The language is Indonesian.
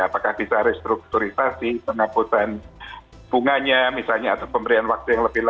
apakah bisa restrukturisasi pengabutan bunganya misalnya atau pemberian waktu yang lebih lama